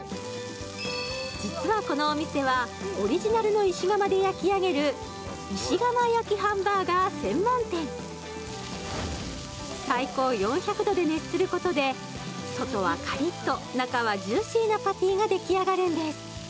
実はこのお店はオリジナルの石窯で焼き上げる最高４００度で熱することで外はカリッと中はジューシーなパティが出来上がるんです